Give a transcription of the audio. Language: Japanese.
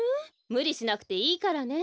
むりしなくていいからね。